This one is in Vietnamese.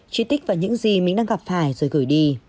tri tích và những gì mình đang gặp phải rồi gửi đi